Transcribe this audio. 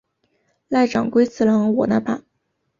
濑长龟次郎我那霸。